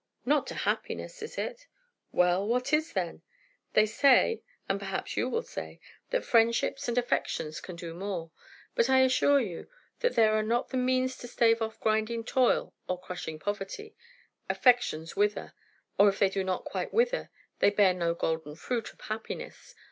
"Not to happiness, is it?" "Well, what is, then? They say and perhaps you will say that friendships and affections can do more; but I assure you, where there are not the means to stave off grinding toil or crushing poverty, affections wither; or if they do not quite wither, they bear no golden fruit of happiness.